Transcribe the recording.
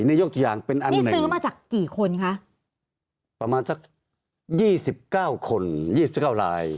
นี่ยกตัวอย่างเป็นอันนี้ซื้อมาจากกี่คนคะประมาณสักยี่สิบเก้าคนยี่สิบเก้าลาย